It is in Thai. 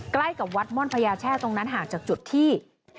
ใกล้กับวัดม่อนพญาแช่ตรงนั้นห่างจากจุดที่